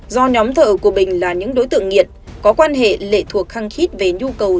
do nhóm thợ của bình là những đối tượng nghiện có quan hệ lệ thuộc khăng khít về nhu cầu